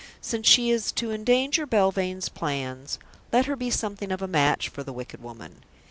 Since she is to endanger Belvane's plans, let her be something of a match for the wicked woman.